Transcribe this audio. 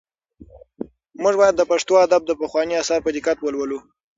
موږ باید د پښتو ادب پخواني اثار په دقت ولولو.